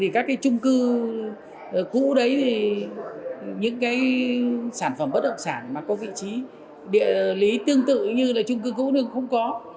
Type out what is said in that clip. các trung cư cũ đấy những sản phẩm bất động sản có vị trí địa lý tương tự như là trung cư cũ nhưng không có